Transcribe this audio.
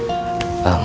untung bapak selamat